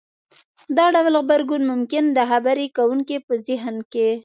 دا ډول غبرګون ممکن د خبرې کوونکي په زهن کې